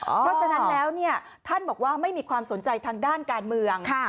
เพราะฉะนั้นแล้วท่านบอกว่าไม่มีความสนใจทางด้านการเมือง